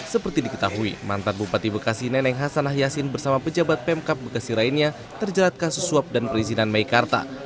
seperti diketahui mantan bupati bekasi neneng hasanah yasin bersama pejabat pemkap bekasi lainnya terjerat kasus suap dan perizinan meikarta